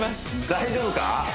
大丈夫か？